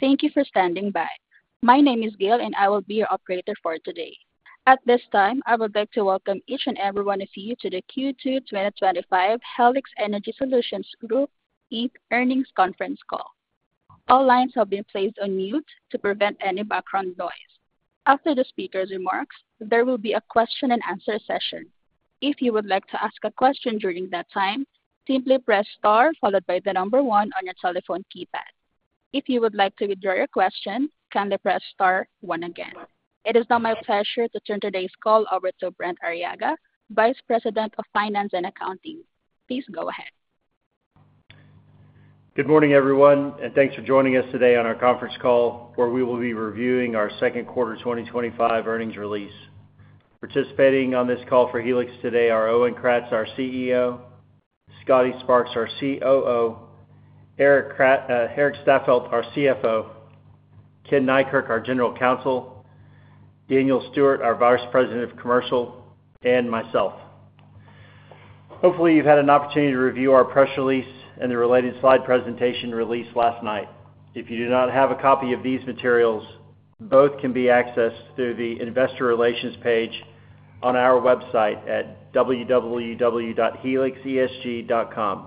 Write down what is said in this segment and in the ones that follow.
Thank you for standing by. My name is Gail and I will be your operator for today. At this time, I would like to welcome each and every one of you to the Q2 2025 Helix Energy Solutions Group, Inc. earnings conference call. All lines have been placed on mute to prevent any background noise. After the speaker's remarks, there will be a question and answer session. If you would like to ask a question during that time, simply press star followed by the number one on your telephone keypad. If you would like to withdraw your question, kindly press star one again. It is now my pleasure to turn today's call over to Brent Arriaga, Vice President of Finance and Accounting. Please go ahead. Good morning everyone, and thanks for joining us today on our. Conference call where we will be reviewing our second quarter 2025 earnings release. Participating on this call for Helix today are Owen Kratz, our CEO, and Scotty Sparks. Our COO, Scotty Sparks, our CFO, Erik Staffeldt, our General Counsel, Ken Neikirk, Daniel Stuart, our. Vice President of Commercial and myself. Hopefully you've had an opportunity to review our press release and the related slide presentation released last night. If you do not have a copy of these materials, both can be accessed through the Investor Relations page on our website at www.helixesg.com.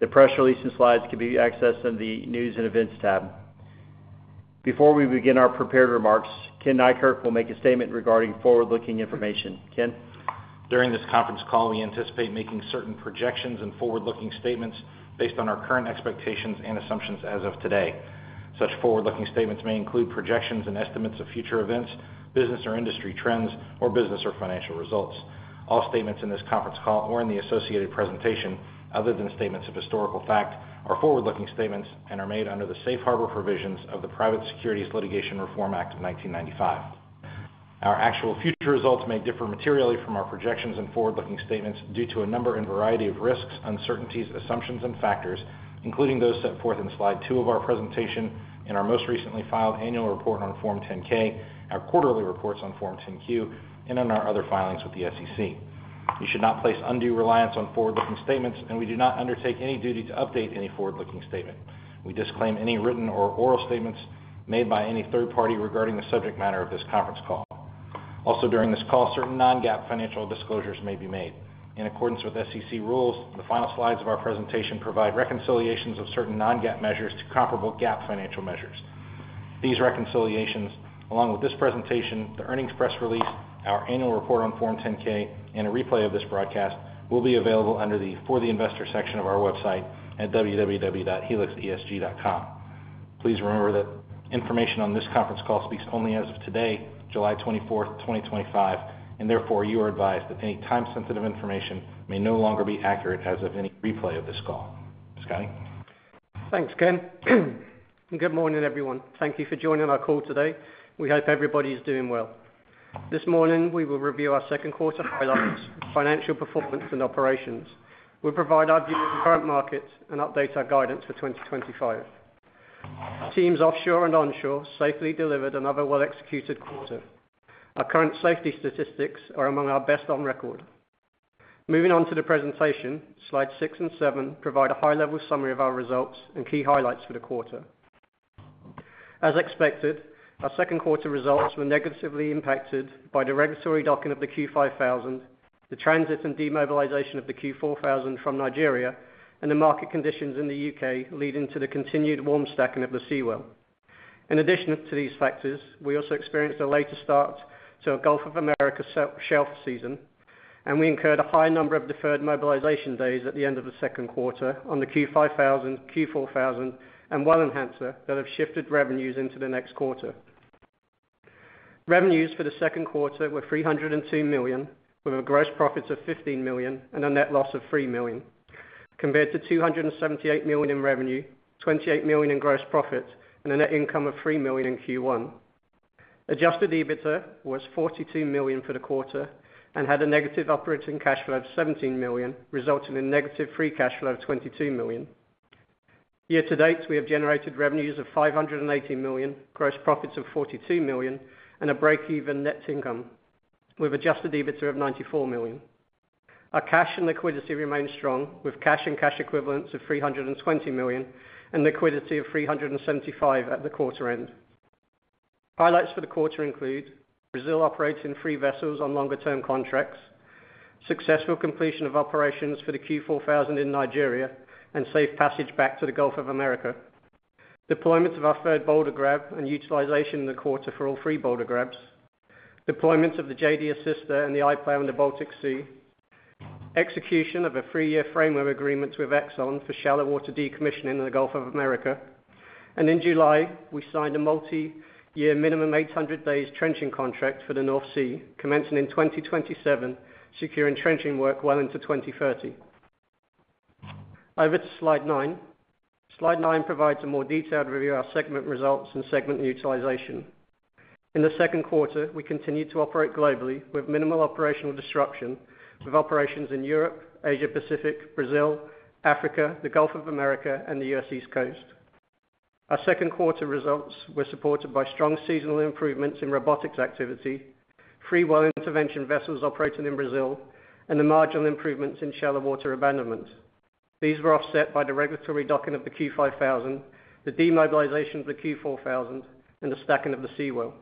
The press release and slides can be. Accessed on the News and Events tab. Before we begin our prepared remarks, Ken Neikirk will make a statement regarding forward looking information. Ken, during this conference call we anticipate making certain projections and forward looking statements based on our current expectations and assumptions as of today. Such forward looking statements may include projections and estimates of future events, business or industry trends, or business or financial results. All statements in this conference call or in the associated presentation, other than statements of historical fact, are forward looking statements and are made under the safe harbor provisions of the Private Securities Litigation Reform Act of 1995. Our actual future results may differ materially from our projections and forward looking statements due to a number and variety of risks, uncertainties, assumptions, and factors including those set forth in slide two of our presentation, in our most recently filed Annual Report on Form 10-K, our quarterly reports on Form 10-Q, and in our other filings with the SEC. You should not place undue reliance on forward looking statements and we do not undertake any duty to update any forward looking statement. We disclaim any written or oral statements made by any third party regarding the subject matter of this conference call. Also, during this call, certain non-GAAP financial disclosures may be made in accordance with SEC rules. The final slides of our presentation provide reconciliations of certain non-GAAP measures to comparable GAAP financial measures. These reconciliations, along with this presentation, the earnings press release, our Annual Report on Form 10-K, and a replay of this broadcast will be available under the Investor section of our website at www.helixesg.com. Please remember that information on this conference call speaks only as of today, July 24th, 2025, and therefore you are advised that any time sensitive information may no longer be accurate as of any replay of this call. Sky, thanks Ken. Good morning everyone. Thank you for joining our call today. We hope everybody is doing well this morning. We will review our second quarter financial performance and operations. We'll provide our view of the current market and update our guidance for 2025. Teams offshore and onshore safely delivered another well-executed quarter. Our current safety statistics are among our best on record. Moving on to the presentation, slides six and seven provide a high-level summary of our results and key highlights for the quarter. As expected, our second quarter results were negatively impacted by the regulatory docking of the Q5000, the transit and demobilization of the Q4000 from Nigeria, and the market conditions in the U.K. leading to the continued warm stacking of the Seawell. In addition to these factors, we also experienced a later start to a Gulf of Mexico shelf season, and we incurred a high number of deferred mobilization days at the end of the second quarter on the Q5000, Q4000, and Enhancer that have shifted revenues into the next quarter. Revenues for the second quarter were $302 million with a gross profit of $15 million and a net loss of $3 million compared to $278 million in revenue, $28 million in gross profit, and a net income of $3 million in Q1. Adjusted EBITDA was $42 million for the quarter and had a negative operating cash flow of $17 million, resulting in negative free cash flow of $22 million. Year to date, we have generated revenues of $518 million, gross profits of $42 million, and a break-even net income with adjusted EBITDA of $94 million. Our cash and liquidity remained strong with cash and cash equivalents of $320 million and liquidity of $375 million at the quarter end. Highlights for the quarter include Brazil operating three vessels on longer-term contracts, successful completion of operations for the Q4000 in Nigeria and safe passage back to the Gulf of Mexico, deployment of our third Boulder Grab and utilization in the quarter for all three Boulder Grabs, deployment of the JD Assister and the iPlow in the Baltic Sea, execution of a three-year decommissioning framework agreement with ExxonMobil for shallow water abandonment in the Gulf of Mexico, and in July we signed a multi-year minimum 800 days trenching contract for the North Sea commencing in 2027, securing trenching work well into 2030. Over to slide nine. Slide nine provides a more detailed review of our segment results and segment utilization. In the second quarter we continued to operate globally with minimal operational disruption with operations in Europe, Asia Pacific, Brazil, Africa, the Gulf of Mexico, and the U.S. East Coast. Our second quarter results were supported by strong seasonal improvements in robotics activity, three well intervention vessels operating in Brazil, and the marginal improvements in shallow water abandonment. These were offset by the regulatory docking of the Q5000, the demobilization of the Q4000, and the stacking of the Seawell.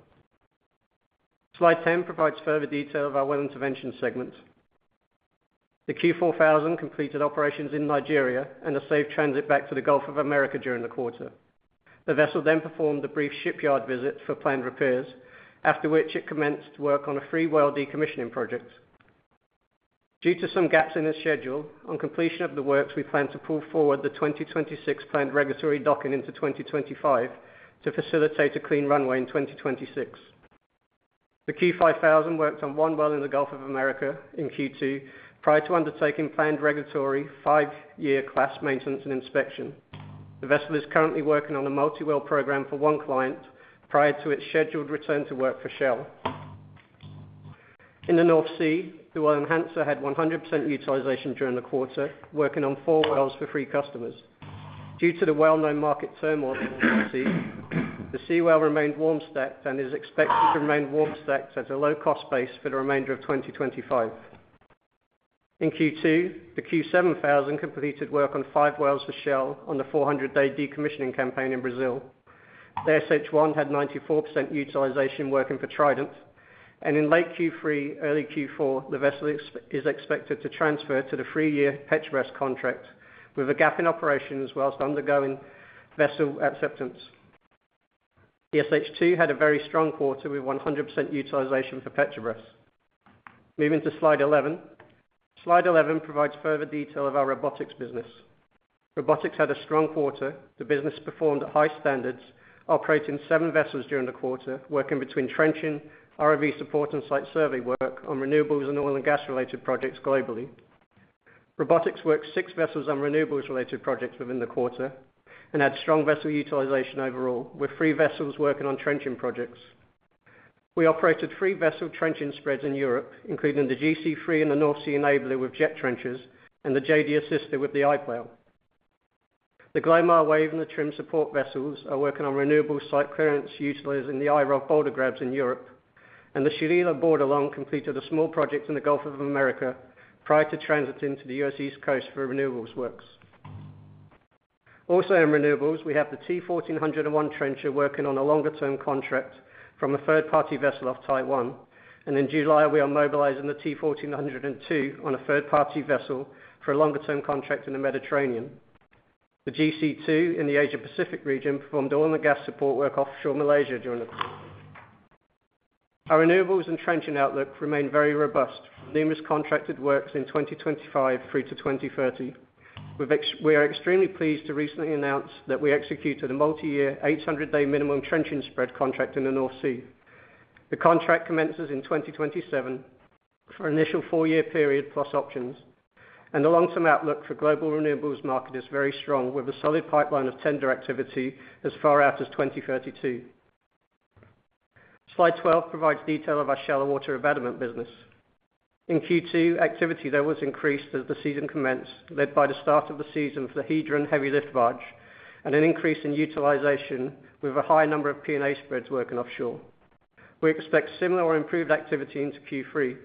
Slide 10 provides further detail of our well intervention segment. The Q4000 completed operations in Nigeria and a safe transit back to the Gulf of Mexico during the quarter. The vessel then performed a brief shipyard visit for planned repairs, after which it commenced work on a three well decommissioning project due to some gaps in the schedule. On completion of the works, we plan to pull forward the 2026 planned regulatory docking into 2025 to facilitate a clean runway in 2026. The Q5000 worked on one well in the Gulf of Mexico in Q2 prior to undertaking planned regulatory five-year class maintenance and inspection. The vessel is currently working on a multi-well program for one client prior to its scheduled return to work for Shell in the North Sea. The Well Enhancer had 100% utilization during the quarter, working on four wells for three customers. Due to the well-known market slowdown, the Seawell remained warm stacked and is expected to remain warm stacked at a low cost base for the remainder of 2025. In Q2, the Q7000 completed work on five wells for Shell. On the 400-day decommissioning campaign in Brazil, the SH1 had 94% utilization working for Trident, and in late Q3 or early Q4, the vessel is expected to transfer to the three-year Petrobras contract with a gap in operations whilst undergoing vessel acceptance. The SH2 had a very strong quarter with 100% utilization for Petrobras. Moving to slide 11. Slide 11 provides further detail of our robotics business. Robotics had a strong quarter. The business performed at high standards, operating seven vessels during the quarter, working between trenching, ROV support, and site survey work on renewables and oil and gas related projects globally. Robotics worked six vessels on renewables related projects within the quarter and had strong vessel utilization overall, with three vessels working on trenching projects. We operated three vessel trenching spreads in Europe, including the GC3 and the North Sea Enabler with jet trenchers and the JD Assister with the iPlow. The Glomar Wave and the Trim support vessels are working on renewables site clearance utilizing the IROF boulder grabs in Europe and the Shirillo border. Long completed a small project in the Gulf of Mexico prior to transiting to the U.S. East Coast for renewables works. Also in renewables, we have the T1401 trencher working on a longer-term contract from a third-party vessel off Type 1, and in July we are mobilizing the T1400-2 on a third-party vessel for a longer-term contract in the Mediterranean. The GC2 in the Asia Pacific region performed oil and gas support work offshore Malaysia during the quarter. Our renewables and trenching outlook remain very robust, with numerous contracted works in 2025 through to 2030. We are extremely pleased to recently announce that we executed a multi-year, 800-day minimum trenching spread contract in the North Sea. The contract commences in 2027 for an initial four-year period plus options, and the long-term outlook for the global renewables market is very strong, with a solid pipeline of tender activity as far out as 2032. Slide 12 provides detail of our shallow water abandonment business. In Q2, activity there was increased as the season commenced, led by the start of the season for the Hedron heavy lift barge and an increase in utilization with a high number of plug and abandonment (P&A) spreads working offshore. We expect similar or improved activity into Q3.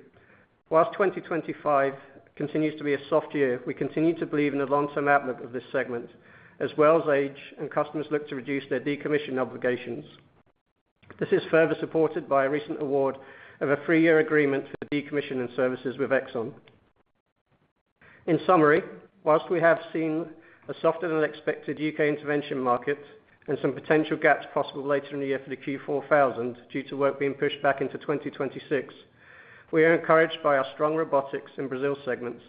Whilst 2025 continues to be a soft year, we continue to believe in the long-term outlook of this segment as wells age and customers look to reduce their decommissioning obligations. This is further supported by a recent award of a three-year agreement for decommissioning services with ExxonMobil. In summary, whilst we have seen a softer than expected U.K. intervention market and some potential gaps possible later in the year for the Q4000 due to work being pushed back into 2026, we are encouraged by our strong Robotics and Brazil segments,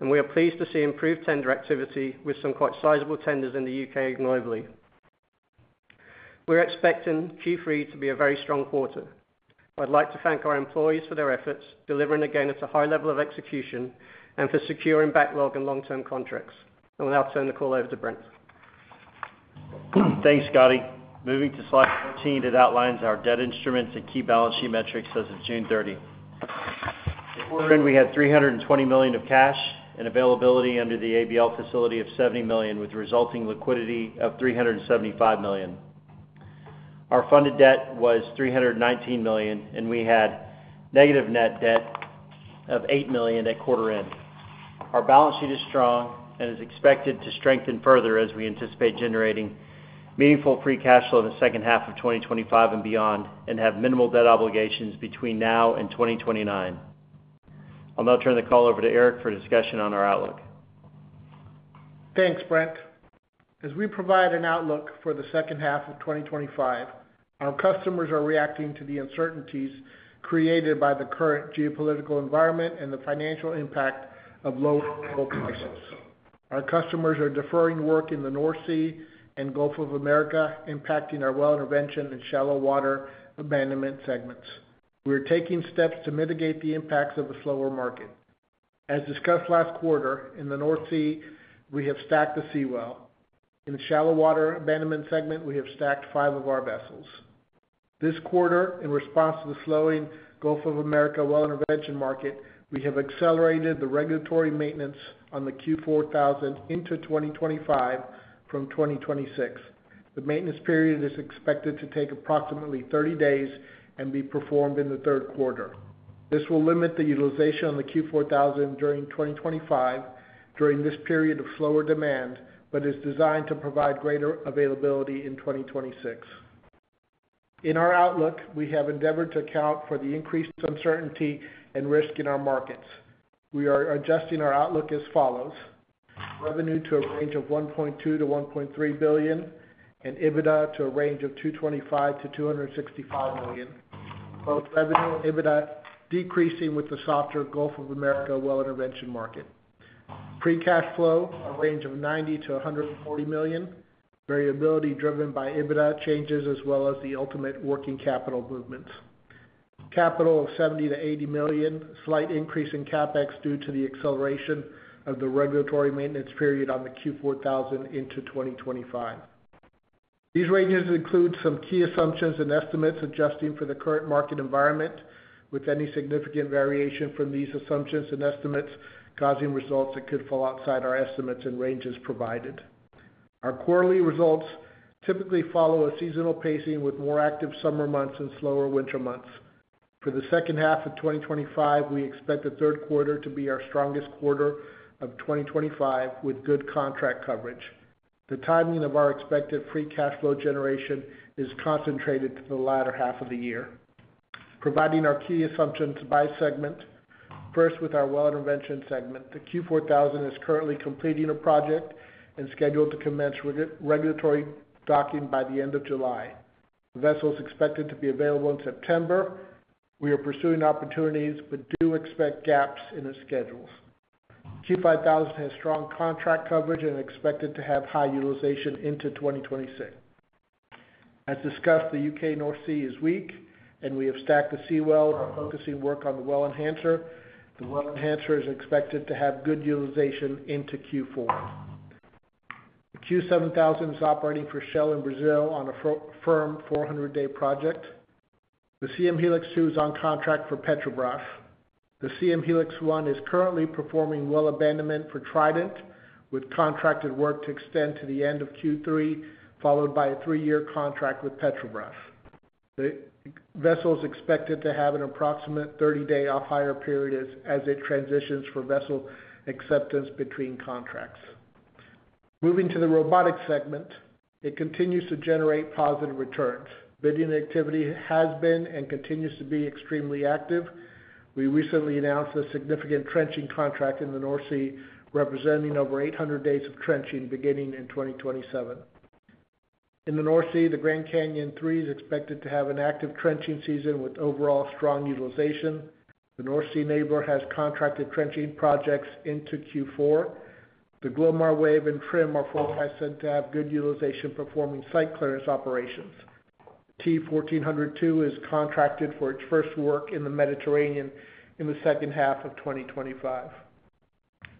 and we are pleased to see improved tender activity with some quite sizable tenders in the U.K.. Globally, we're expecting Q3 to be a very strong quarter. I'd like to thank our employees for their efforts delivering again at a high level of execution and for securing backlog and long-term contracts. I will now turn the call over to Brent. Thanks Scotty. Moving to slide 15, it outlines our debt instruments and key balance sheet metrics. As of June 30, Brent, we had. $320 million of cash and availability under the ABL facility of $70 million. The resulting liquidity of $375 million. Our funded debt was $319 million, and we had negative net debt of $8 million at quarter end. Our balance sheet is strong and is expected to strengthen further as we anticipate. Generating meaningful free cash flow. Second half of 2025 and beyond, and have minimal debt obligations between now and 2029. I'll now turn the call over to. Erik for a discussion on our outlook. Thanks, Brent. As we provide an outlook for the second half of 2025, our customers are reacting to the uncertainties created by the current geopolitical environment and the financial impact of low Volcanics. Our customers are deferring work in the North Sea and Gulf of Mexico, impacting our well intervention and shallow water abandonment segments. We are taking steps to mitigate the impacts of a slower market as discussed last quarter. In the North Sea, we have stacked the Seawell. In the shallow water abandonment segment, we have stacked five of our vessels this quarter. In response to the slowing Gulf of Mexico well intervention market, we have accelerated the regulatory maintenance on the Q4000 into 2025. From 2026, the maintenance period is expected to take approximately 30 days and be performed in the third quarter. This will limit the utilization on the Q4000 during 2025 during this period of slower demand, but is designed to provide greater availability in 2026. In our outlook, we have endeavored to account for the increased uncertainty and risk in our markets. We are adjusting our outlook as revenue to a range of $1.2-$1.3 billion and adjusted EBITDA to a range of $225-$265 million, both revenue and adjusted EBITDA decreasing with the softer Gulf of Mexico well intervention market. Free cash flow range of $90-$140 million, variability driven by adjusted EBITDA changes as well as the ultimate working capital movements. Capital expenditures of $70-$80 million, slight increase in CapEx due to the acceleration of the regulatory maintenance period on the Q4000 into 2025. These ranges include some key assumptions and estimates, adjusting for the current market environment, with any significant variation from these assumptions and estimates causing results that could fall outside our estimates and ranges provided. Our quarterly results typically follow a seasonal pacing with more active summer months and slower winter months. For the second half of 2025, we expect the third quarter to be our strongest quarter of 2025 with good contract coverage. The timing of our expected free cash flow generation is concentrated to the latter half of the year, providing our key assumptions by segment. First, with our well intervention segment, the Q4000 is currently completing a project and scheduled to commence regulatory docking by the end of July. Vessel is expected to be available in September. We are pursuing opportunities but do expect gaps in the schedules. G5000 has strong contract coverage and is expected to have high utilization into 2026. As discussed, the U.K. North Sea is weak and we have stacked the Seawell and are focusing work on the Well Enhancer. The Well Enhancer is expected to have good utilization into Q4. The Q7000 is operating for Shell in Brazil on a firm 400-day project. The Siem Helix 2 is on contract for Petrobras. The Siem Helix 1 is currently performing well abandonment for Trident with contracted work to extend to the end of Q3, followed by a three-year contract with Petrobras. The vessel is expected to have an approximate 30-day off-hire period as it transitions for vessel acceptance between contracts. Moving to the robotics segment, it continues to generate positive returns. Bidding activity has been and continues to be extremely active. We recently announced a significant trenching contract in the North Sea representing over 800 days of trenching beginning in 2027. In the North Sea, the Grand Canyon 3 is expected to have an active trenching season with overall strong utilization. The North Sea Neighbor has contracted trenching projects into Q4. The Glomar Wave and TRMM are fully said to have good utilization performing site clearance operations. T14002 is contracted for its first work in the Mediterranean in the second half of 2025.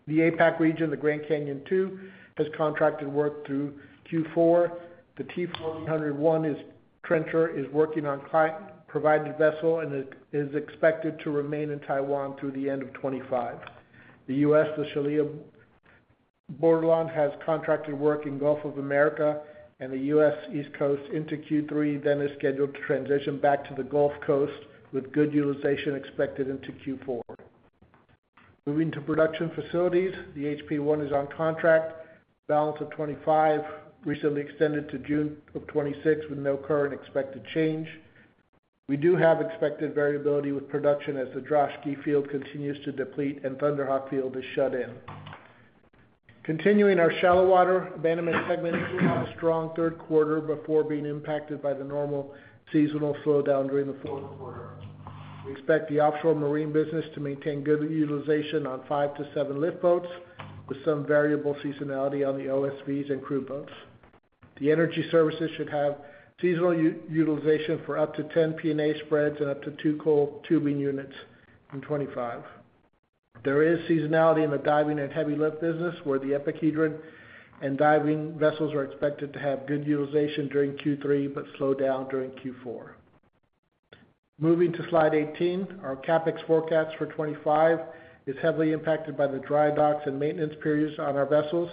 In the APAC region, the Grand Canyon 2 has contracted work through Q4. The T1401 trencher is working on a client-provided vessel and it is expected to remain in Taiwan through the end of 2025. In the U.S., the Chilean Borderline has contracted work in the Gulf of Mexico and the U.S. East Coast into Q3, then is scheduled to transition back to the Gulf Coast with good utilization expected into Q4. Moving to production facilities, the HP1 is on contract balance of 2025, recently extended to June of 2026 with no current expected change. We do have expected variability with production as the Droshky Field continues to deplete and Thunder Hawk Field is shut in. Continuing our shallow water abandonment segment, a strong third quarter before being impacted by the normal seasonal slowdown during the fourth quarter. We expect the offshore marine business to maintain good utilization on five to seven lift boats with some variable seasonality on the OSVs and crew boats. The Energy Services should have seasonal utilization for up to 10 P&A spreads and up to two coil tubing units. There is seasonality in the diving and heavy lift business where the Epic Hedron and diving vessels are expected to have good utilization during Q3 but slow down during Q4. Moving to Slide 18, our CapEx forecast for 2025 is heavily impacted by the dry docks and maintenance periods on our vessels.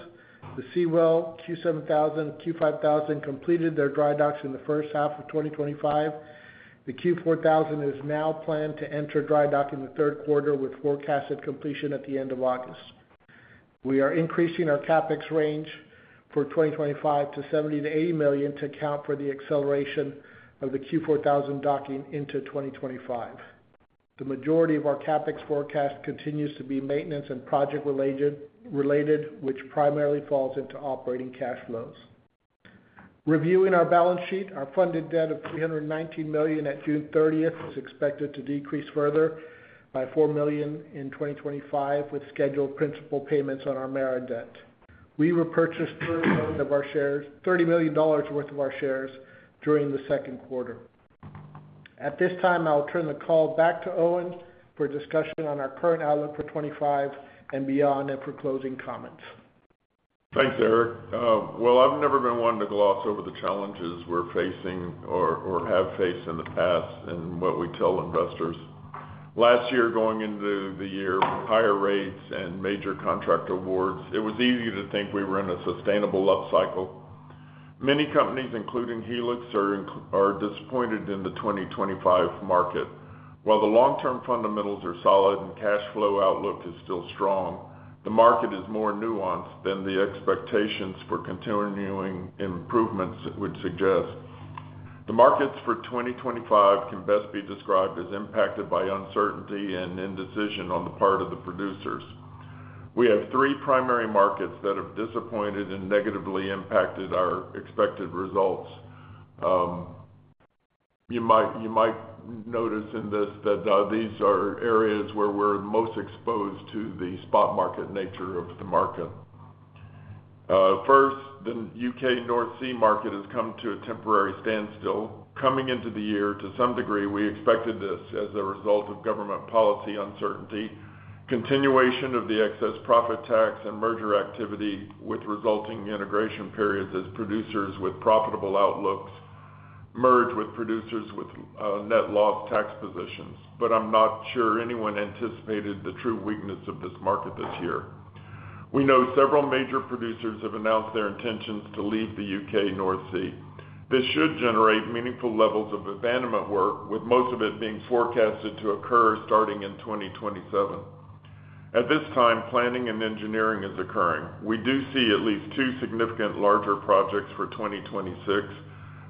The Seawell, Q7000, and Q5000 completed their dry docks in the first half of 2025, and the Q4000 is now planned to enter dry dock in the third quarter with forecasted completion at the end of August. We are increasing our CapEx range for 2025 to $70 million to $80 million to account for the acceleration of the Q4000 docking into 2025. The majority of our CapEx forecast continues to be maintenance and project related, which primarily falls into operating cash flows. Reviewing our balance sheet, our funded debt of $319 million at June 30 is expected to decrease further by $4 million in 2025. With scheduled principal payments on our Meridet, we repurchased $30 million worth of our shares during the second quarter. At this time, I'll turn the call back to Owen for discussion on our current outlook for 2025 and beyond. Closing Comments Thanks, Erik. I've never been one to gloss over the challenges we're facing or have faced in the past and what we tell investors. Last year going into the year, higher rates and major contract awards, it was easy to think we were in a sustainable up cycle. Many companies, including Helix, are disappointed in the 2025 market. While the long-term fundamentals are solid and cash flow outlook is still strong, the market is more nuanced than the expectations for continuing improvements would suggest. The markets for 2025 can best be described as impacted by uncertainty and indecision on the part of the producers. We have three primary markets that have disappointed and negatively impacted our expected results. You might notice in this that these are areas where we're most exposed to the spot market nature of the market. First, the U.K. North Sea market has come to a temporary standstill coming into the year. To some degree, we expected this as a result of government policy uncertainty, continuation of the excess profit tax, and merger activity with resulting integration periods as producers with profitable outlooks merge with producers with net loss tax positions. I'm not sure anyone anticipated the true weakness of this market this year. We know several major producers have announced their intentions to leave the U.K. North Sea. This should generate meaningful levels of abandonment work, with most of it being forecasted to occur starting in 2027. At this time, planning and engineering is occurring. We do see at least two significant larger projects for 2026,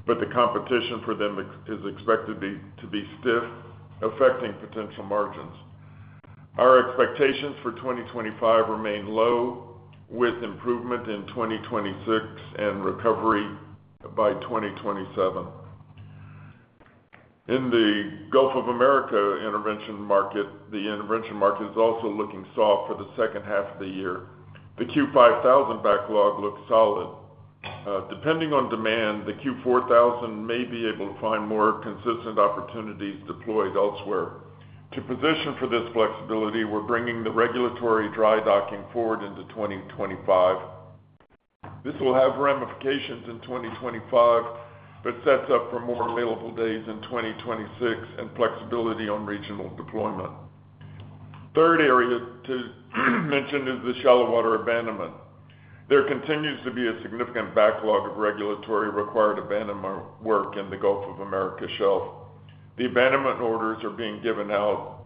but the competition for them is expected to be stiff, affecting potential margins. Our expectations for 2025 remain low with improvement in 2026 and recovery by 2027. In the Gulf of Mexico intervention market, the intervention market is also looking soft for the second half of the year. The Q5000 backlog looks solid. Depending on demand, the Q4000 may be able to find more consistent opportunities deployed elsewhere. To position for this flexibility, we're bringing the regulatory dry docking forward into 2025. This will have ramifications in 2025, but sets up for more available days in 2026 and flexibility on regional deployment. The third area to mention is the shallow water abandonment. There continues to be a significant backlog of regulatory required abandonment work in the Gulf of Mexico shelf. The abandonment orders are being given out,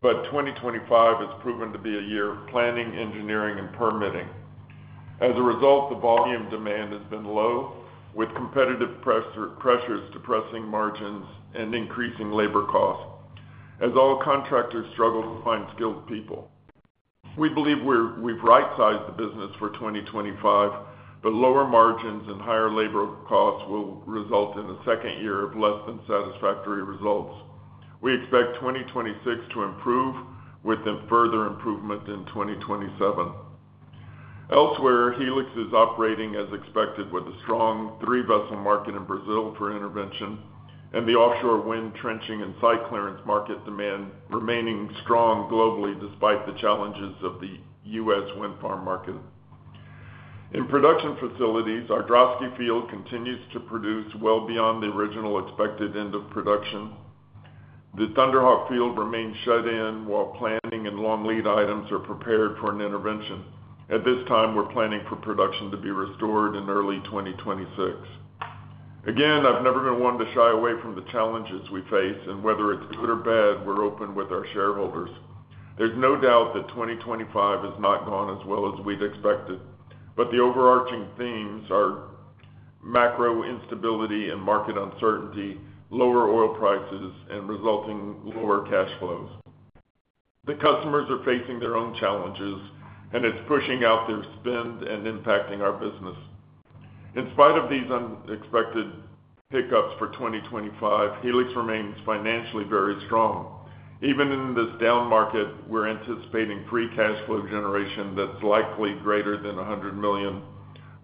but 2025 has proven to be a year of planning, engineering, and permitting. As a result, the volume demand has been low, with competitive pressures depressing margins and increasing labor costs as all contractors struggle to find skilled people. We believe we've right-sized the business for 2025, but lower margins and higher labor costs will result in a second year of less than satisfactory results. We expect 2026 to improve, with further improvement in 2027. Elsewhere, Helix Energy Solutions Group, Inc. is operating as expected, with a strong three-vessel market in Brazil for intervention and the offshore wind trenching and site clearance market demand remaining strong globally. Despite the challenges of the U.S. wind farm market in production facilities, our Drosky field continues to produce well beyond the original expected end of production. The Thunderhawk field remains shut in while planning and long lead items are prepared for an intervention. At this time, we're planning for production to be restored in early 2026. I've never been one to shy away from the challenges we face, and whether it's good or bad, we're open with our shareholders. There's no doubt that 2025 has not gone as well as we'd expected, but the overarching themes are macroeconomic instability and market uncertainty, lower oil prices, and resulting lower cash flows. The customers are facing their own challenges, and it's pushing out their spend and impacting our business. In spite of these unexpected hiccups for 2025, Helix Energy Solutions Group, Inc. remains financially very strong. Even in this down market, we're anticipating free cash flow generation that's likely greater than $100 million,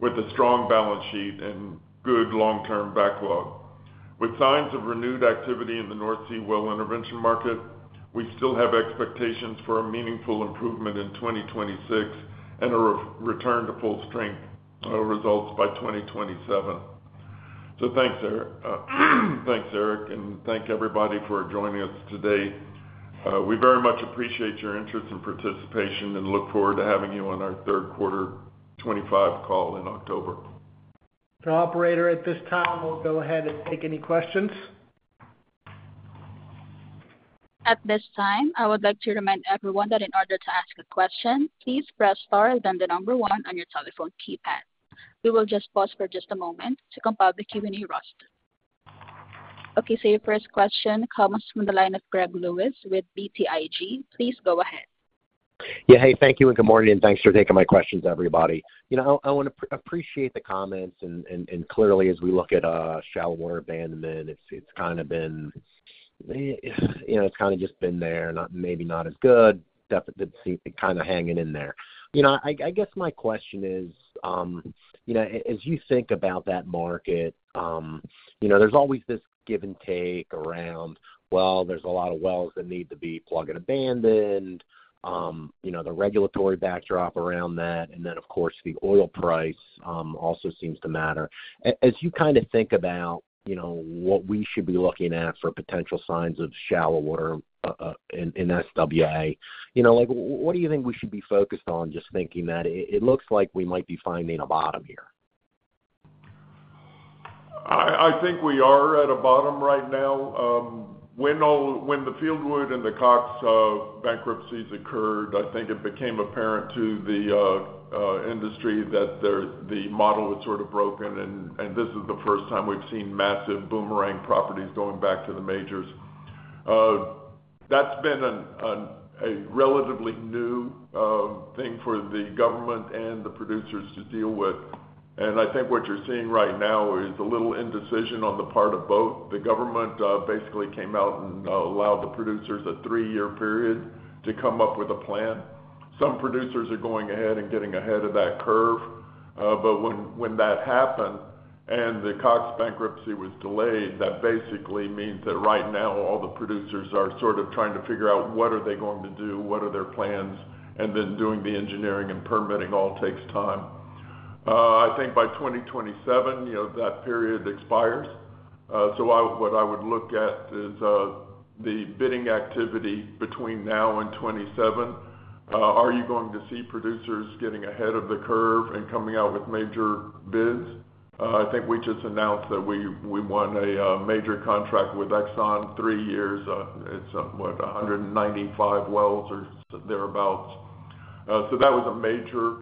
with a strong balance sheet and good long-term backlog with signs of renewed activity in the North Sea well intervention market. We still have expectations for a meaningful improvement in 2026 and a return to full strength results by 2027. Thanks, Erik, and thank everybody for joining us today. We very much appreciate your interest and participation and look forward to having you on our third quarter 2025 call in October. At this time we'll go ahead and take any questions. At this time, I would like to remind everyone that in order to ask a question, please press star then the number one on your telephone keypad. We will pause for just a moment to compile the Q and E roster. Your first question comes from the line of Greg Lewis with BTIG. Please go ahead. Yeah, hey, thank you and good morning and thanks for taking my questions, everybody. I want to appreciate the comments and clearly as we look at shallow water abandonment, it's kind of been, you know, it's kind of just been there, maybe not as good. Definitely kind of hanging in there. I guess my question is, as you think about that market, there's always this give and take around. There's a lot of wells that need to be plug and abandoned, the regulatory backdrop around that, and then of course the oil price also seems to matter. As you kind of think about what we should be looking at for potential signs of shallow water in SWA, what do you think we should be focused on? Just thinking that it looks like we might be finding a bottom here. I think we are at a bottom right now. When the Fieldwood and the Cox bankruptcies occurred, I think it became apparent to the industry that the model had sort of broken. This is the first time we've seen massive boomerang properties going back to the majors. That's been a relatively new thing for the government and the producers to deal with. I think what you're seeing right now is a little indecision on the part of both. The government basically came out and allowed the producers a three-year period to come up with a plan. Some producers are going ahead and getting ahead of that curve. When that happened and the Cox bankruptcy was delayed, that basically means that right now all the producers are sort of trying to figure out what are they going to do, what are their plans, and then doing the engineering and permitting all takes time. I think by 2027, you know, that period expires. What I would look at is the bidding activity between now and 2027. Are you going to see producers getting ahead of the curve and coming out with major bids? I think we just announced that we won a major contract with ExxonMobil. Three years, it's what, 195 wells or thereabouts. That was a major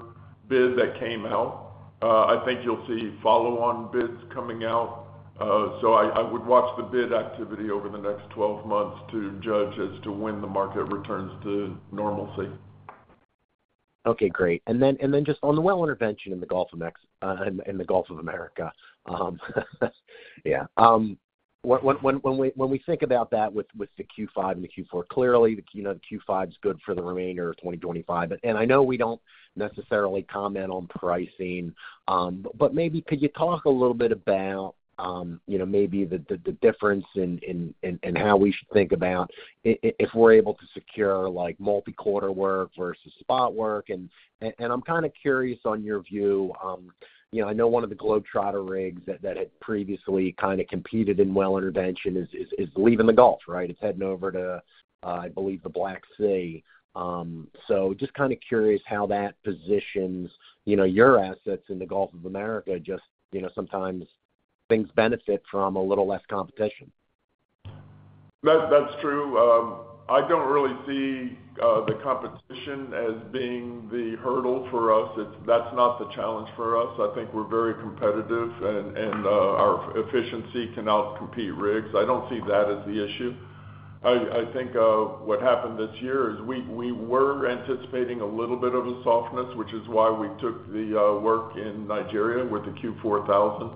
bid that came out. I think you'll see follow-on bids coming out. I would watch the bid activity over the next 12 months to judge as to when the market returns to normalcy. Okay, great. Just on the well intervention in the Gulf of Mexico, when we think about that with the Q5000 and the Q4000, clearly the Q5000 is good for the remainder of 2025. I know we don't necessarily comment on pricing, but maybe could you talk a little bit about the difference and how we should think about if we're able to secure multi-quarter. Work versus spot work. I'm kind of curious on your view. I know one of the Globetrotter rigs that had previously kind of competed in well intervention is, I believe, in the Gulf. It's heading over to, I believe, the Black Sea. Just kind of curious how that positions your assets in the Gulf of Mexico. Sometimes things benefit from a little less competition. That's true. I don't really see the competition as being the hurdle for us. That's not the challenge for us. I think we're very competitive and our efficiency can out compete rigs. I don't see that as the issue. I think what happened this year is we were anticipating a little bit of a softness, which is why we took the work in Nigeria with the Q4000.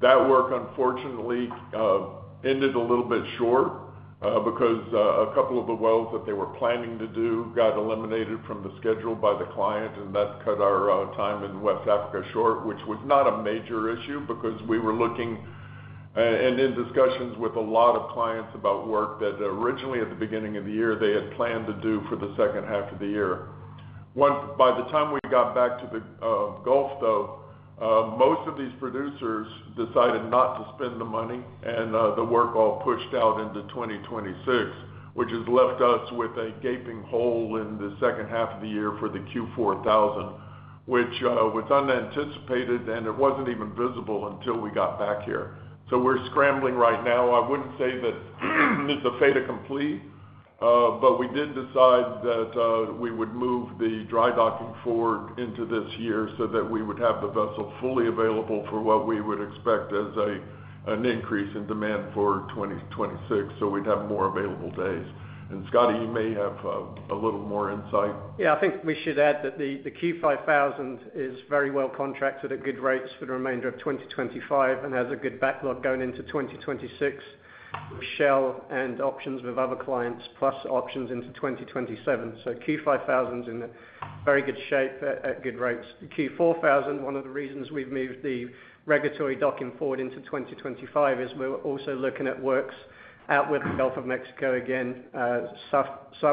That work unfortunately ended a little bit short because a couple of the wells that they were planning to do got eliminated from the schedule by the client. That cut our time in West Africa short, which was not a major issue because we were looking and in discussions with a lot of clients about work that originally at the beginning of the year they had planned to do for the second half of the year. By the time we got back to the Gulf though, most of these producers decided not to spend the money and the work all pushed out into 2026, which has left us with a gaping hole in the second half of the year for the Q4000, which was unanticipated and it wasn't even visible until we got back here. We're scrambling right now. I wouldn't say that it's a fait accompli, but we did decide that we would move the dry docking forward into this year so that we would have the vessel fully available for what we would expect as an increase in demand for 2026. We'd have more available days. Scotty, you may have a little more insight. Yeah, I think we should add that the Q5000 is very well contracted at good rates for the remainder of 2025 and has a good backlog going into 2026 and options with other clients plus options into 2027. Q5000 is in very good shape at good rates. Q4000, one of the reasons we've moved the regulatory docking forward into 2025 is we're also looking at works out with the Gulf of Mexico, again, South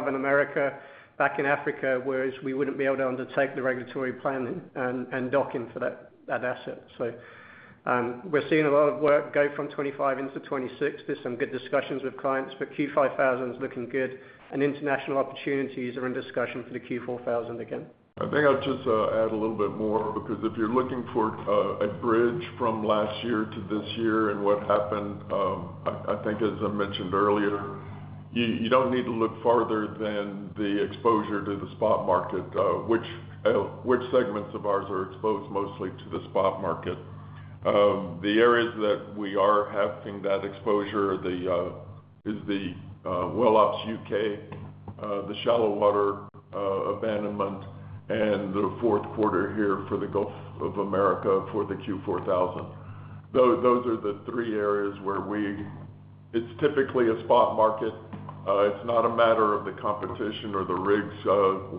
America, back in Africa, whereas we wouldn't be able to undertake the regulatory plan and docking for that asset. We're seeing a lot of work go from 2025 into 2026. There are some good discussions with clients looking good, and international opportunities are in discussion for the Q4000. Again, I think I'll just add a little bit more because if you're looking for a bridge from last year to this year and what happened, I think as I mentioned earlier, you don't need to look farther than the exposure to the spot market. Which segments of ours are exposed mostly to the spot market? The areas that we are having that exposure are the Well Ops U.K., the shallow water abandonment, and the fourth quarter here for the Gulf of Mexico for the Q4000. Those are the three areas where it's typically a spot market. It's not a matter of the competition or the rigs,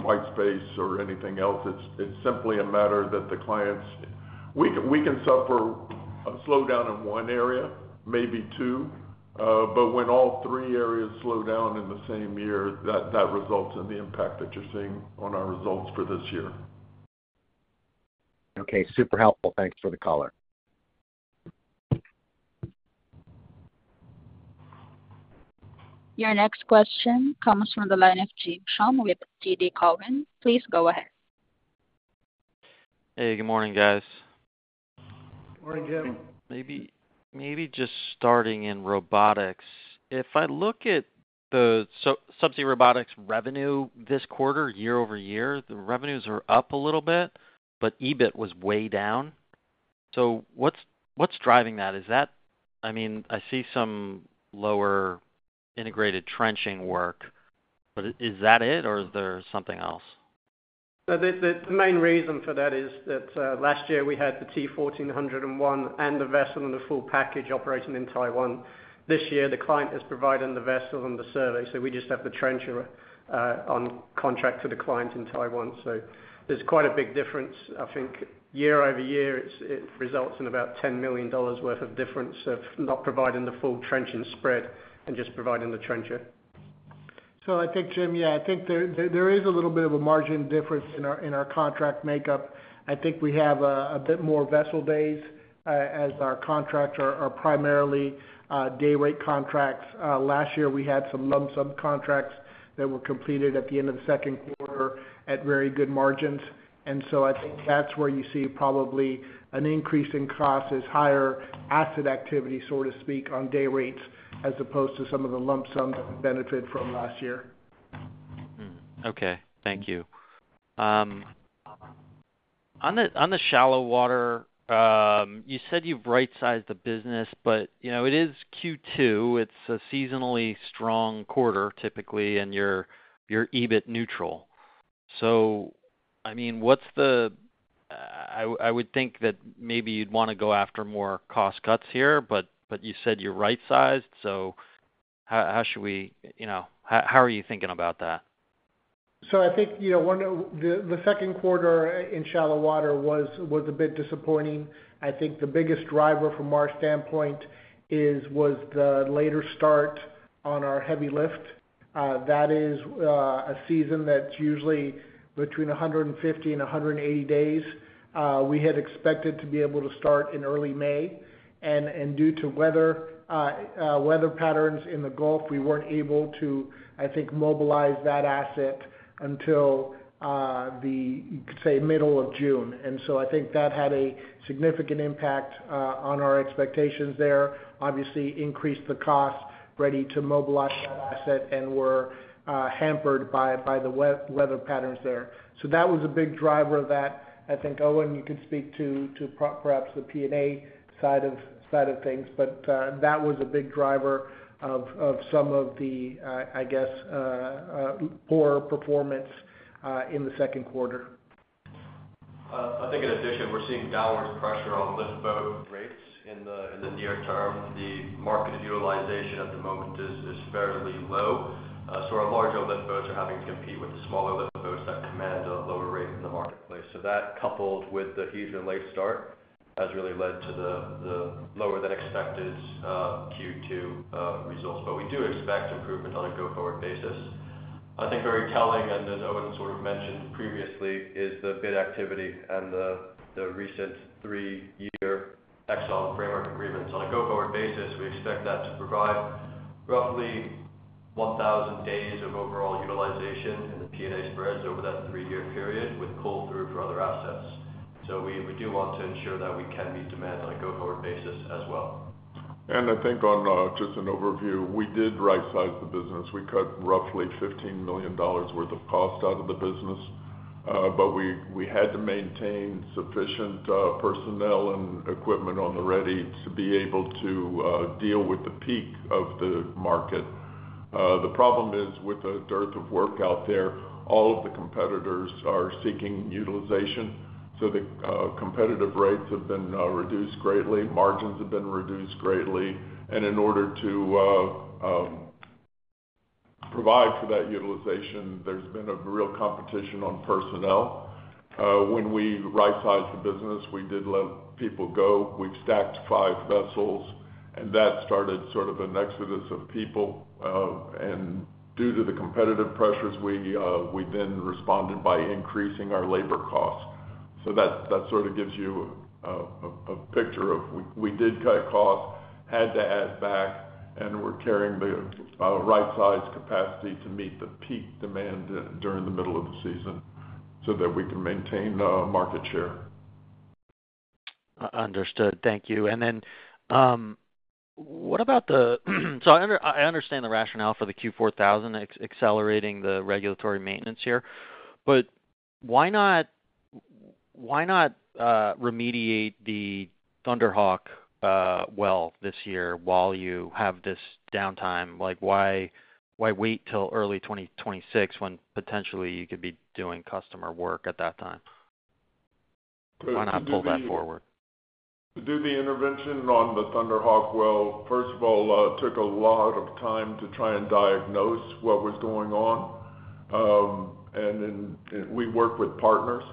white space, or anything else. It's simply a matter that the clients, we can suffer slowdown in one area, maybe two, but when all three areas slow down in the same year, that results in the impact that you're seeing on our results for this year. Okay, super helpful, thanks for the caller. Your next question comes from the line of James Schumm with TD Cowen. Please go ahead. Hey, good morning, guys. Morning, Jim. Maybe just starting in robotics, if I look at the Subsea Robotics revenue this quarter, year-over-year, the revenues are up a little bit. EBIT was way down. What's driving that? I mean, I see some lower integrated trenching work, but is that it or is there something else? The main reason for that is that last year we had the T1400-1 and the vessel and the full package operation in Taiwan. This year the client is providing the vessel and the survey. We just have the trencher on contract to the client in Taiwan. There's quite a big difference. I think year-over-year it results in about $10 million worth of difference of not providing the full trenching spread and just providing the trencher. I think, Jim, I think there is a little bit of a margin difference in our contract makeup. I think we have a bit more vessel days as our contracts are primarily day rate contracts. Last year we had some lump sum contracts that were completed at the end of the second quarter at very good margins. I think that's where you see probably an increase in cost as higher asset activity, so to speak, on day rates as opposed to some of the lump sums benefit from last year. Okay, thank you. On the shallow water, you said you've right sized the business, but it is Q2, it's a seasonally strong quarter typically and you're EBIT neutral. I would think that maybe you'd want to go after more cost cuts here. You said you're right sized, so how should we, how are you thinking about that? I think the second quarter in shallow water was a bit disappointing. I think the biggest driver from our standpoint was the later start on our heavy lift. That is a season that's usually between 150 and 180 days. We had expected to be able to start in early May, and due to weather patterns in the Gulf of Mexico, we weren't able to mobilize that asset until the middle of June. I think that had a significant impact on our expectations there. It obviously increased the cost, ready to mobilize, and we were hampered by the weather patterns there. That was a big driver of that. I think, Owen, you could speak to perhaps the plug and abandonment (P&A) side of things, but that was a big driver of some of the poor performance in the second quarter. I think in addition, we're seeing downward pressure on lift boat rates in the near term. The market utilization at the moment is fairly low. Our larger lift boats are having to compete with the smaller lift boats that command a lower rate in the marketplace. That, coupled with the having late start, has really led to the lower than expected Q2 results. We do expect improvement on a go forward basis. I think very telling, and as Owen sort of mentioned previously, is the bid activity and the recent three-year decommissioning framework agreements. On a go forward basis, we expect that to provide roughly 1,000 days of overall utilization in the plug and abandonment (P&A) spreads over that three-year period with pull through for other assets. We do want to ensure that we can meet demand on a go forward basis as well. I think on just an overview, we did right size the business. We cut roughly $15 million worth of cost out of the business, but we had to maintain sufficient personnel and equipment on the ready to be able to deal with the peak of the market. The problem is with the dearth of work out there, all of the competitors are seeking utilization. The competitive rates have been reduced greatly, margins have been reduced greatly. In order to provide for that utilization, there's been a real competition on personnel. When we right sized the business, we did let people go. We've stacked five vessels and that started sort of an exodus of people. Due to the competitive pressures, we then responded by increasing our labor costs. That sort of gives you a picture of we did cut costs, had to add back and we're carrying the right size capacity to meet the peak demand during the middle of the season so that we can maintain market share. Understood, thank you. What about the rationale for the Q4000 accelerating the regulatory maintenance here? Why not remediate the Thunderhawk well this year while you have this downtime? Why wait till early 2026 when potentially you could be doing customer work at that time? Why not pull that forward to do the intervention on the Thunderhawk? First of all, it took a lot of time to try and diagnose what was going on. We work with partners,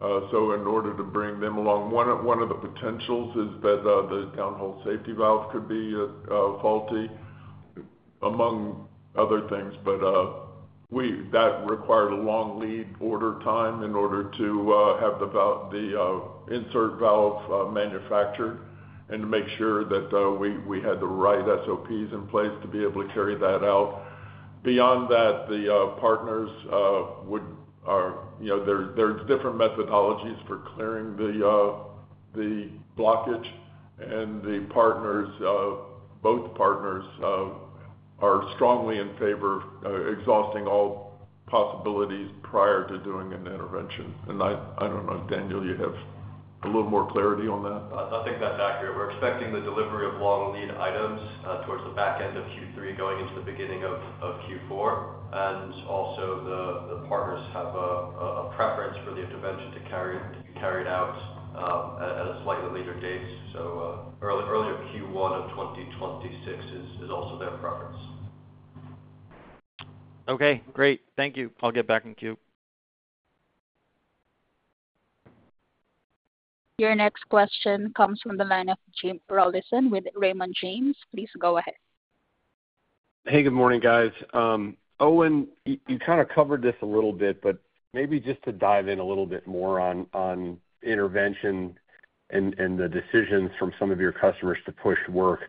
so in order to bring them along, one of the potentials is that the downhole safety valve could be faulty, among other things. That required a long lead order time in order to have the insert valve manufactured and to make sure that we had the right SOPs in place to be able to carry that out. Beyond that, the partners are, you know, there are different methodologies for clearing the blockage. The partners, both partners, are strongly in favor of exhausting all possibilities prior to doing an intervention. I don't know if Daniel, you have a little more clarity on that. I think that's accurate. We're expecting the delivery of long lead items towards the back end of Q3 going into the beginning of Q4. The partners have a preference for the intervention to be carried out at a slightly later date. Early, earlier Q1 of 2026 is also their preference. Okay, great. Thank you. I'll get back in queue. Your next question comes from the line of Jim Rollyson with Raymond James. Please go ahead. Hey, good morning, guys. Owen, you kind of covered this a little bit, but maybe just to dive. A little bit more on. Intervention and the decisions from some of. Your customers to push work.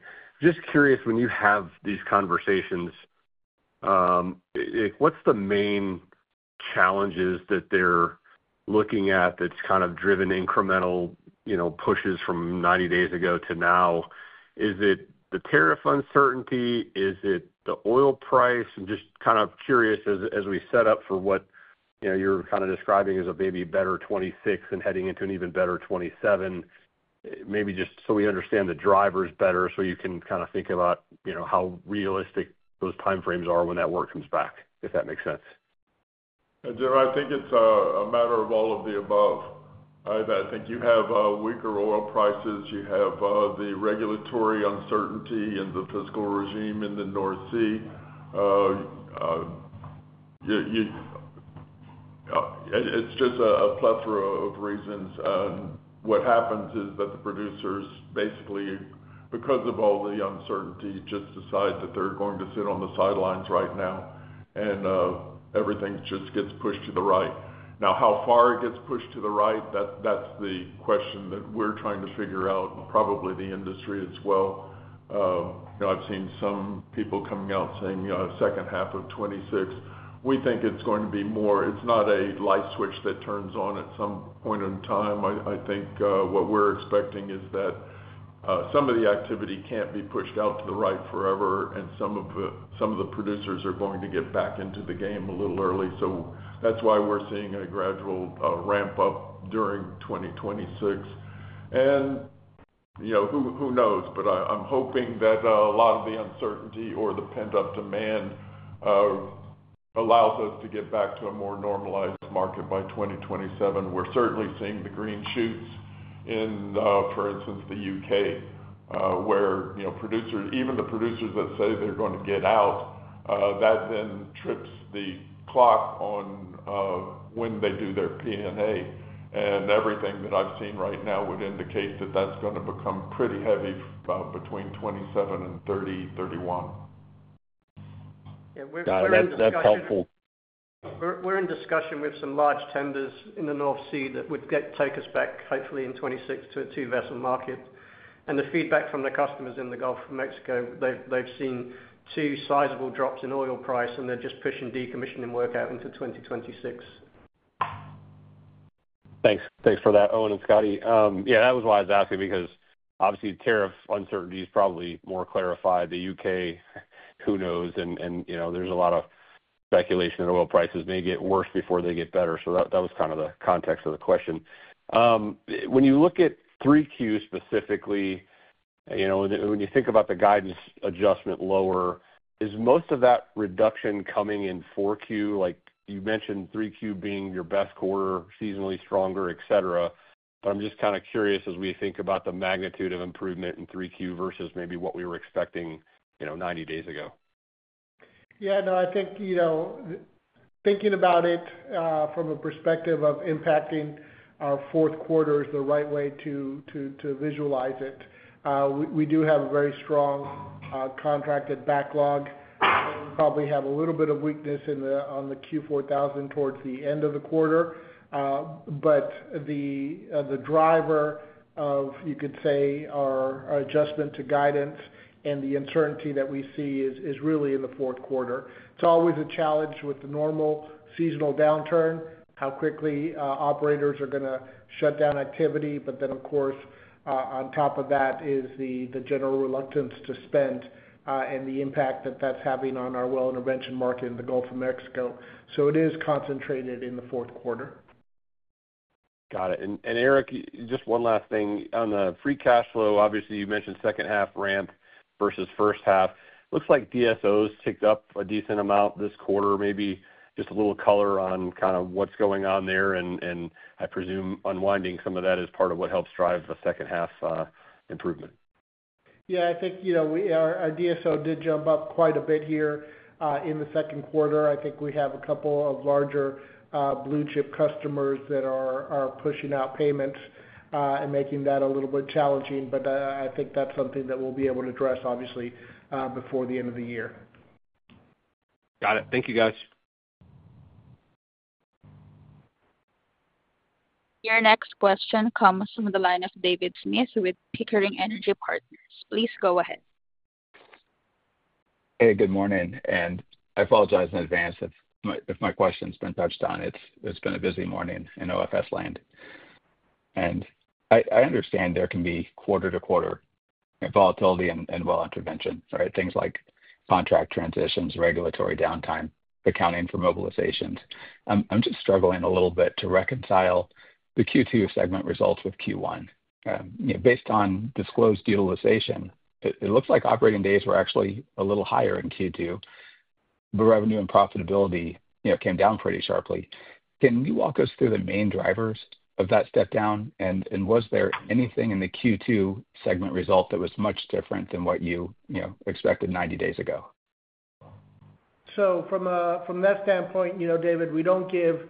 Just curious, when you have these conversations. are the main challenges that they're looking at? That's kind of driven incremental pushes from 90 days ago to now. Is it the tariff uncertainty? Is it the oil price? I'm just kind of curious as we set up for what you're. Kind of describing as a baby, better. 26 and heading into an even better. 27, maybe just so we understand the. Drivers better, so you can kind of think about, you know, how realistic those timeframes are when that work comes back, if that makes sense. I think it's a matter of all of the above. I think you have weaker oil prices, you have the regulatory uncertainty in the fiscal regime in the North Sea. It's just a plethora of reasons. What happens is that the producers basically because of all the uncertainty, just decide that they're going to sit on the sidelines right now and everything just gets pushed to the right. Now how far it gets pushed to the right, that's the question that we're trying to figure out. Probably the industry as well. I've seen some people coming out saying second half of 2026, we think it's going to be more, it's not a light switch that turns on at some point in time. I think what we're expecting is that some of the activity can't be pushed out to the right forever and some of the producers are going to get back into the game a little early. That's why we're seeing a gradual ramp up during 2026. You know, who knows. I'm hoping that a lot of the uncertainty or the pent up demand allows us to get back to a more normalized market by 2027. We're certainly seeing the green shoots in, for instance, the U.K. where, you know, producers, even the producers that say they're going to get out, that then trips the clock on when they do their plug and abandonment (P&A) work. Everything that I've seen right now would indicate that that's going to become pretty heavy between 2027 and 2030, 2031. That's helpful. We're in discussion with some large tenders in the North Sea that would take us back hopefully in 2026 to a two vessel market. The feedback from the customers in the Gulf of Mexico, they've seen two sizable drops in oil price and they're just pushing decommissioning work out into 2026. Thanks for that, Owen and Scotty. Yeah, that was why I was asking because obviously tariff uncertainty is probably more. Clarified the U.K. North Sea, who knows. There is a lot of speculation that. Oil prices may get worse before they get better. That was kind of the context of the question. When you look at 3Q specifically, when you think about the guidance adjustment, lower. Is most of that reduction coming in 4Q like you mentioned, 3Q being your best quarter, seasonally stronger, et cetera? I'm just kind of curious. We think about the magnitude of improvement. In 3Q versus maybe what we were. Expecting, you know, 90 days ago. Yeah, no, I think, you know, thinking about it from a perspective of impacting our fourth quarter is the right way to visualize it. We do have a very strong contracted backlog, probably have a little bit of weakness on the Q4000 towards the end of the quarter. The driver of, you could say, our adjustment to guidance and the uncertainty that we see is really in the fourth quarter. It's always a challenge with the normal seasonal downturn, how quickly operators are going to shut down activity. Of course, on top of that is the general reluctance to spend and the impact that that's having on our well intervention market in the Gulf of Mexico. It is concentrated in the fourth quarter. Got it. Erik, just one last thing on the free cash flow. Obviously, you mentioned second half ramp versus first half. Looks like DSOs ticked up a decent amount this quarter. Maybe just a little color on kind. Of what's going on there, I presume unwinding some of that. Is part of what helps drive the second half. Yeah, I think our DSO did jump up quite a bit here in the second quarter. I think we have a couple of larger blue chip customers that are pushing out payments and making that a little bit challenging. I think that's something that we'll be able to address obviously before the end of the year. Got it. Thank you, guys. Your next question comes from the line of David Smith with Pickering Energy Partners. Please go ahead. Hey, good morning, and I apologize in advance if my question's been touched on. It's. It's been a busy morning in OFS land, and I understand there can be quarter to quarter volatility in well intervention. Right. Things like contract transitions, regulatory downtime, accounting for mobilizations. I'm just struggling a little bit to reconcile the Q2 segment results with Q1 based on disclosed utilization. It looks like operating days were actually a little higher in Q2, but revenue and profitability came down pretty sharply. Can you walk us through the main drivers of that step down, and was there anything in the Q2 segment result that was much different than what you expected 90 days ago? From that standpoint, you know, David, we don't give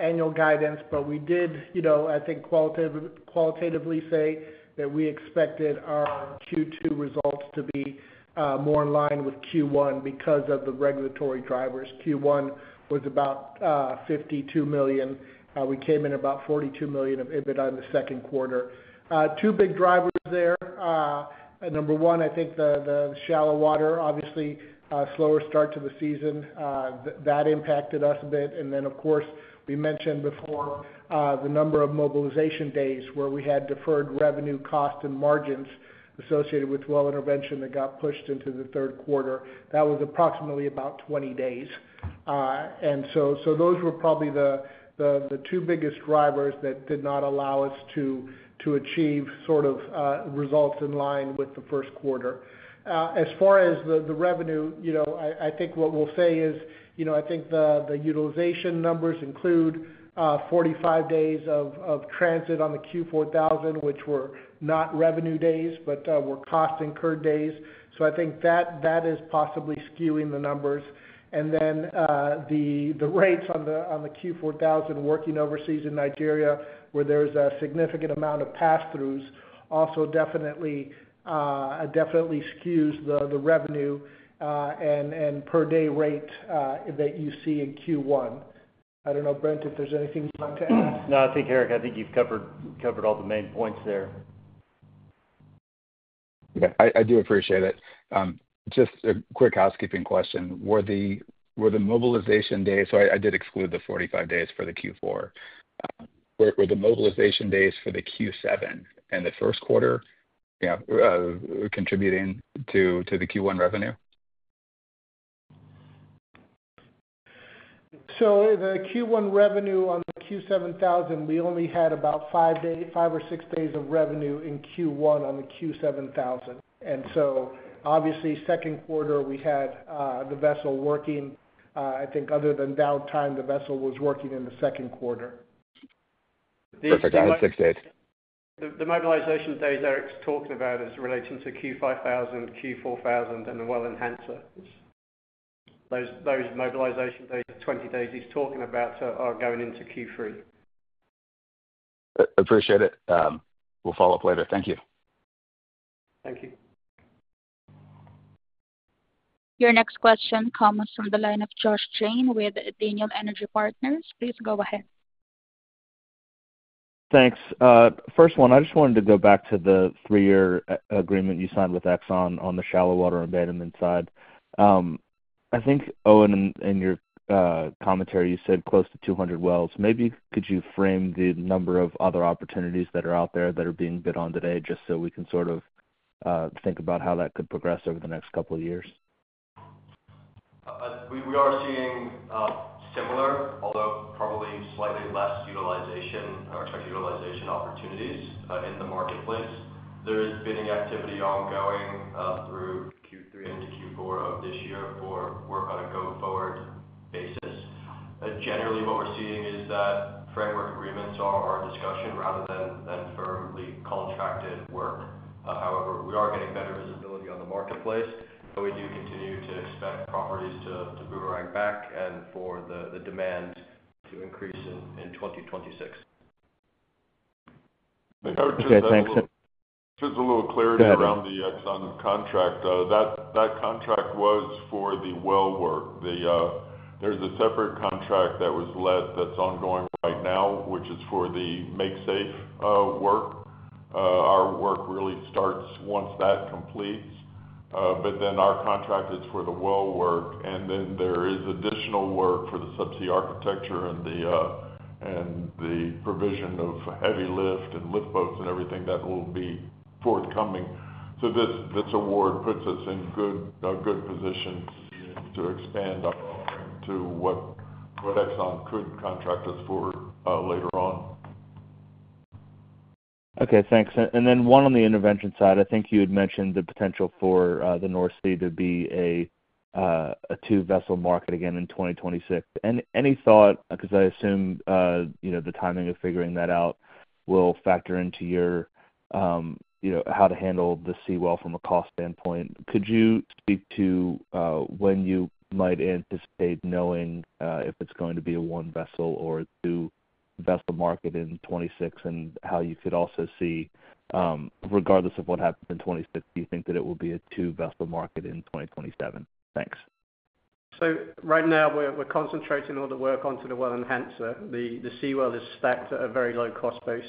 annual guidance, but we did, you know, I think qualitatively say that we expected our Q2 results to be more in line with Q1 because of the regulatory drivers. Q1 was about $52 million. We came in about $42 million of EBITDA in the second quarter. Two big drivers there. Number one, I think the shallow water, obviously slower start to the season, that impacted us a bit. Of course, we mentioned before the number of mobilization days where we had deferred revenue, cost, and margins associated with well intervention that got pushed into the third quarter. That was approximately about 20 days. Those were probably the two biggest drivers that did not allow us to achieve sort of results in line with the first quarter. As far as the revenue, I think what we'll say is, I think the utilization numbers include 45 days of transit on the Q4000, which were not revenue days but were cost incurred days. I think that is possibly skewing the numbers. The rates on the Q4000 working overseas in Nigeria, where there's a significant amount of pass throughs, also definitely, definitely skews the revenue and per day rate that you see in Q1. I don't know, Brent, if there's anything planned to add. No, I think, Erik, I think you've. Covered all the main points there. I do appreciate it. Just a quick housekeeping question. Were the mobilization days, I did exclude the 45 days for the Q4000. Were the mobilization days for the Q7000 and the first quarter contributing to the Q1 revenue? The Q1 revenue on Q7000, we only had about 5 or 6 days of revenue in Q1 on the Q7000. Obviously, second quarter we had the vessel working. I think other than downtime, the vessel was working in the second quarter. Perfect. I had six days. The mobilization day Erik's talking about is relating to Q5000, Q4000, and the Well Enhancer. Those mobilization data, 20 days he's talking about, are going into Q3. Appreciate it. We'll follow up later. Thank you. Thank you. Your next question comes from the line of Josh Jayne with Daniel Energy Partners. Please go ahead. Thanks. First one, I just wanted to go back to the three-year agreement you signed with ExxonMobil on the shallow water abandonment side. I think Owen, in your commentary you said close to 200 wells. Maybe could you frame the number of other opportunities that are out there that are being bid on today just so we can sort of think about how that could progress over the next couple of years? We are seeing similar, although probably slightly less utilization opportunities in the marketplace. There is bidding activity ongoing through Q3 into Q4 of this year for work on a go-forward basis. Generally, what we're seeing is that framework agreements are in discussion rather than firmly contracted work. However, we are getting better visibility on the marketplace, but we do continue to expect properties to boomerang back and for the demand to increase in 2026. Okay, thanks. Just a little clarity around the ExxonMobil contract. That contract was for the well work. There's a separate contract that was let that's ongoing right now, which is for the make safe work. Our work really starts once that completes. Our contract is for the well work, and then there is additional work for the subsea architecture and the provision of heavy lift and lift boats and everything that will be forthcoming. This award puts us in good positions to expand up to what ExxonMobil could contract us for later on. Okay, thanks. One on the intervention side, I think you had mentioned the potential for the North Sea to be a two vessel market again in 2026, and any thought because I assume the timing of figuring that out will factor into how to handle the Seawell from a cost standpoint. Could you speak to when you might anticipate knowing if it's going to be a one vessel or two vessel market in 2026, and how you could also see regardless of what happens in 2026, do you think that it will be a two vessel market in 2027? Thanks. Right now we're concentrating all the work onto the Well Enhancer. The Seawell is stacked at a very low cost base,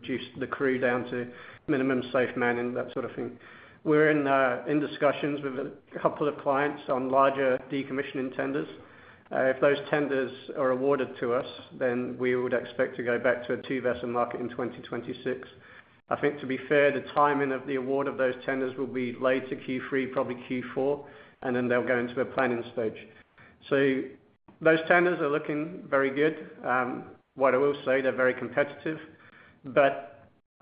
reduced the crew down to minimum safe man and that sort of thing. We're in discussions with a couple of clients on larger decommissioning tenders. If those tenders are awarded to us, then we would expect to go back to a two vessel market in 2026. I think to be fair, the timing of the award of those tenders will be later Q3, probably Q4, and then they'll go into a planning stage. Those tenders are looking very good. What I will say, they're very competitive.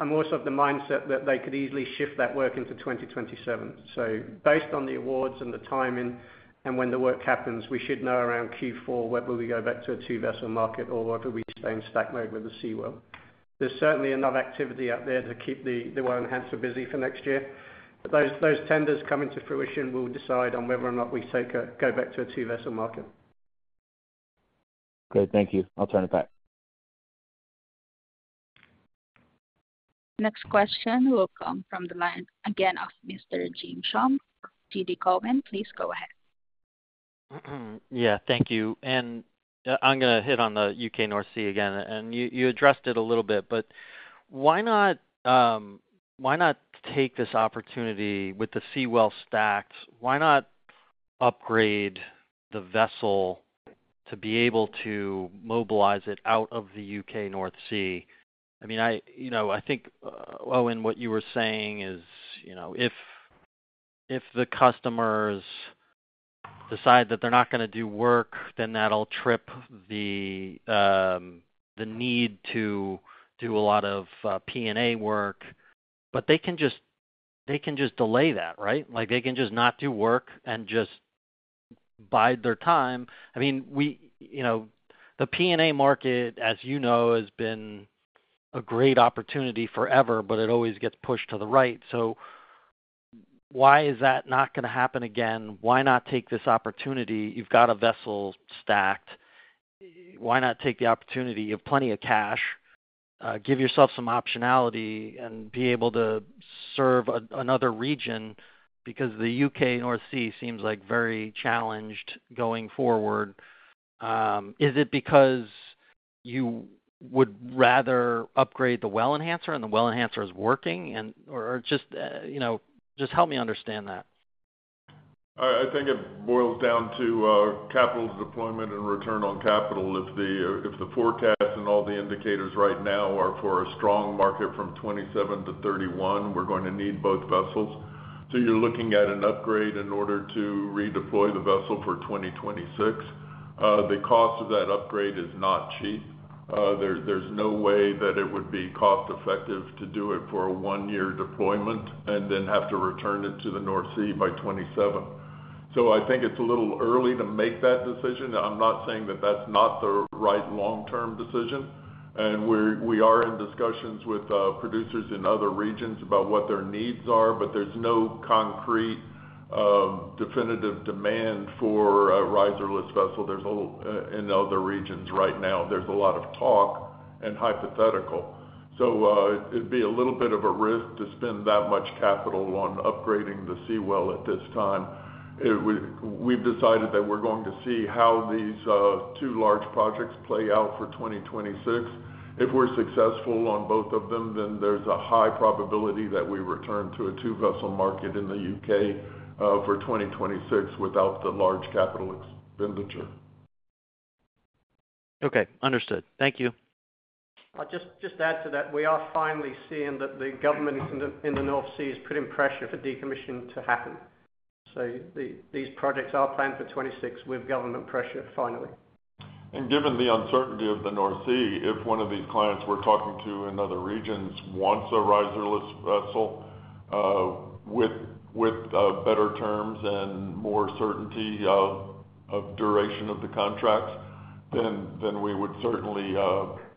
I'm also of the mindset that they could easily shift that work into 2027. Based on the awards and the timing and when the work happens, we should know around Q4 when we will go back to a two vessel market or what will be same stack mode with the Seawell. There's certainly enough activity out there to keep the Well Enhancer busy for next year. If those tenders come into fruition, we'll decide on whether or not we go back to a two vessel market. Good, thank you. I'll turn it back. Next question will come from the line again of Mr. James Schumm, TD Cowen, please go ahead. Thank you. I'm going to hit on the U.K. North Sea again, and you addressed it a little bit, but why not take this opportunity with the Seawell stacked? Why not upgrade the vessel to be able to mobilize it out of the U.K. North Sea? I think, Owen, what you were saying is if the customers decide that they're not going to do work, then that'll trip the need to do a lot of plug and abandonment (P&A) work, but they can just delay that, right? They can just not do work and just bide their time. The P&A market, as you know, has been a great opportunity forever, but it always gets pushed to the right. Why is that not going to happen again? Why not take this opportunity? You've got a vessel stacked. Why not take the opportunity of plenty of cash, give yourself some optionality, and be able to serve another region? The U.K. North Sea seems very challenged going forward. Is it because you would rather upgrade the Well Enhancer, and the Well Enhancer is working, or just, you know, just help me understand that. I think it boils down to capital deployment and return on capital. If the forecast and all the indicators right now are for a strong market from 2027 to 2031, we're going to need both vessels. You're looking at an upgrade in order to redeploy the vessel for 2026. The cost of that upgrade is not cheap. There's no way that it would be cost effective to do it for a one year deployment and then have to move it to the North Sea by 2027. I think it's a little early to make that decision. I'm not saying that that's not the right long term decision and we are in discussions with producers in other regions about what their needs are. There's no concrete definitive demand for a riserless vessel in other regions right now. There's a lot of talk and hypothetical. It would be a little bit of a risk to spend that much capital on upgrading the Seawell at this time. We've decided that we're going to see how these two large projects play out for 2026. If we're successful on both of them, then there's a high probability that we return to a two vessel market in the U.K. for 2026 without the large capital expenditure. Okay, understood. Thank you. I'll just add to that. We are finally seeing that the government in the North Sea is putting pressure for decommissioning to happen. These projects are planned for 2026 with government pressure finally. Given the uncertainty of the North Sea, if one of these clients we're talking to in other regions wants a riserless vessel with better terms and more certainty of duration of the contracts, we would certainly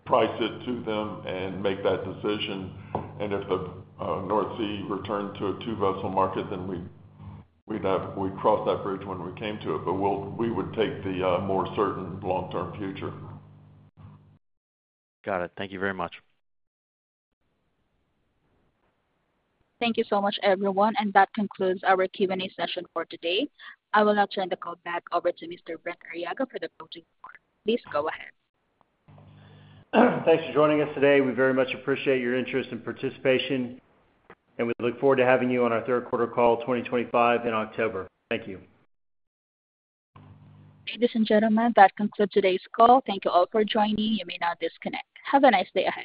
price it to them and make that decision. If the North Sea returned to a two vessel market, we crossed that bridge when we came to it. We would take the more certain long term future. Got it. Thank you very much. Thank you so much everyone. That concludes our Q&A session for today. Thank you. I will now turn the call back over to Mr. Brent Arriaga for the closing. Please go ahead. Thanks for joining us today. We very much appreciate your interest. Participation, and we look forward to having you. You on our third quarter call 2025 in October. Thank you. Ladies and gentlemen, that concludes today's call. Thank you all for joining. You may now disconnect. Have a nice day ahead.